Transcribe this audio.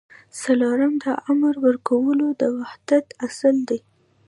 څلورم د امر ورکولو د وحدت اصل دی.